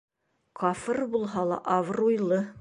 Кафыр булһа ла, абруйлы.